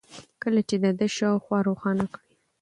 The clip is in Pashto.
كله چي د ده شا و خوا روښانه كړي